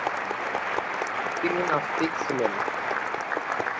তিনি নাস্তিক ছিলেন।